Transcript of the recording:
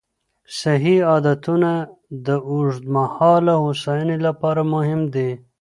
صحي عادتونه د اوږدمهاله هوساینې لپاره مهم دي.